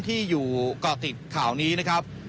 ที่อยู่ก่อติดข่าวนี้นะครับ